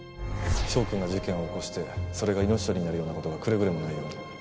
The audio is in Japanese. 翔くんが事件を起こしてそれが命取りになるような事がくれぐれもないように。